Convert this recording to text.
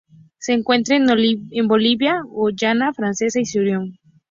Se encuentra en Bolivia, Guayana Francesa y Surinam.